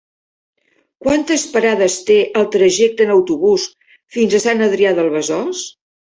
Quantes parades té el trajecte en autobús fins a Sant Adrià de Besòs?